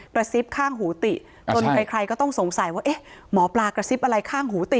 กระซิบข้างหูติจนใครก็ต้องสงสัยว่าเอ๊ะหมอปลากระซิบอะไรข้างหูติ